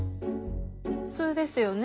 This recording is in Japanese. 普通ですよね。